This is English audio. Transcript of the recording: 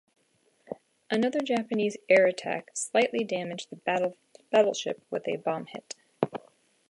Another Japanese air attack slightly damaged the battleship with a bomb hit.